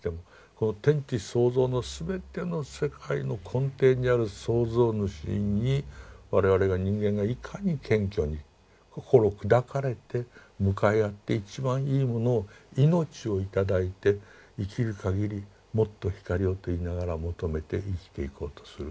この天地創造の全ての世界の根底にある創造主に我々が人間がいかに謙虚に心を砕かれて向かい合って一番いいものを命を頂いて生きるかぎりもっと光をと言いながら求めて生きていこうとする。